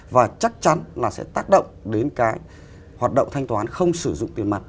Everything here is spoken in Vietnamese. và chắc chắn là sẽ tác động đến cái hoạt động thanh toán không sử dụng tiền mặt